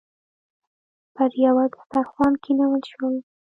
پر یوه دسترخوان کېنول شول.